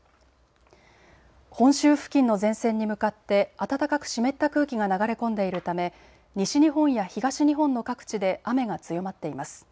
本州付近の前線に向かって暖かく湿った空気が流れ込んでいるため西日本や東日本の各地で雨が強まっています。